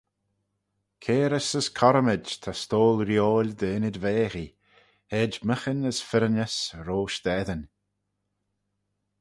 Cairys as corymid ta stoyl-reeoil dty ynnyd-vaghee: hed myghin as firrinys roish dt'eddin.